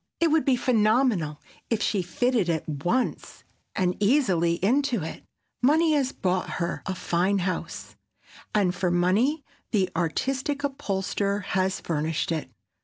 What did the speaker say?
It would be phenomenal if she fitted at once and easily into it. Money has bought her fine house, and for money the artistic upholsterer has furnished it.